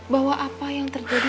bahwa apa yang terjadi